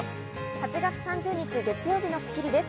８月３０日、月曜日の『スッキリ』です。